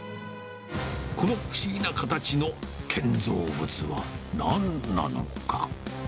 この不思議な形の建造物はなんなのか。